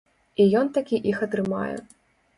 І ён-такі іх атрымае.